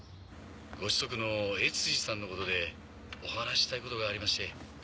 ご子息の悦司さんのことでお話ししたいことがありまして。